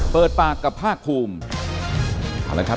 เปิดปากกับภาคคลุม